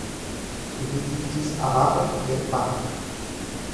Li iĝis abato de Bath.